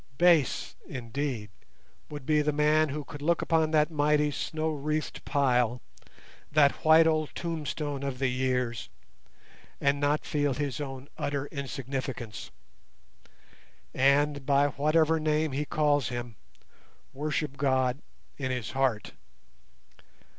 Base, indeed, would be the man who could look upon that mighty snow wreathed pile— that white old tombstone of the years—and not feel his own utter insignificance, and, by whatever name he calls Him, worship God in his heart.